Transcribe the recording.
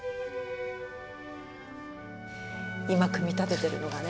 今組み立ててるのがね